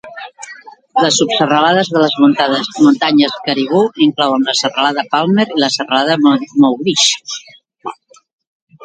Les subserralades de les muntanyes Cariboo inclouen la serralada Palmer i la serralada Mowdish.